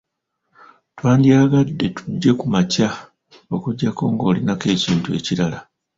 Twandyagadde tujje ku makya okuggyako ng'olinako ekintu ekirala.